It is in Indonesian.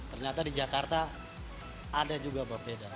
ternyata di jakarta ada juga berbeda